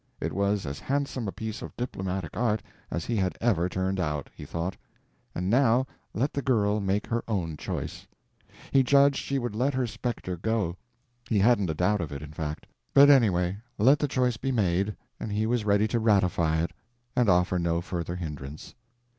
It was as handsome a piece of diplomatic art as he had ever turned out, he thought; and now, let the girl make her own choice. He judged she would let her spectre go; he hadn't a doubt of it in fact; but anyway, let the choice be made, and he was ready to ratify it and offer no further hindrance.